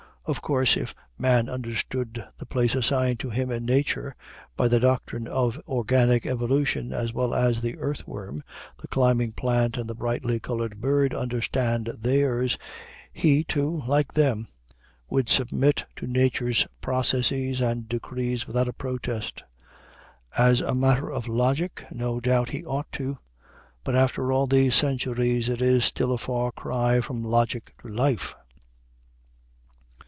Of course if man understood the place assigned to him in nature by the doctrine of organic evolution as well as the earthworm, the climbing plant, and the brightly colored bird understand theirs, he, too, like them, would submit to nature's processes and decrees without a protest. As a matter of logic, no doubt he ought to; but after all these centuries, it is still a far cry from logic to life.